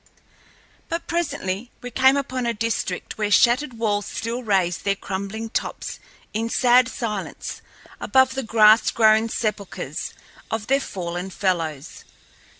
But presently we came upon a district where shattered walls still raised their crumbling tops in sad silence above the grass grown sepulchers of their fallen fellows.